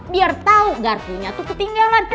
biar tahu garpunya tuh ketinggalan